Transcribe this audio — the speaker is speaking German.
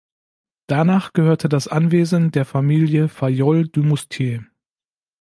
Danach gehörte das Anwesen der Familie Fayolle du Moustier.